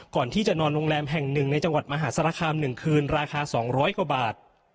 ก่อนที่จะนอนโรงแรมแห่งหนึ่งในจังหวัดมหาสารคาม๑คืนราคา๒๐๐กว่าบาท